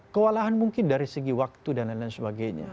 kewalahan mungkin dari segi waktu dan lain lain sebagainya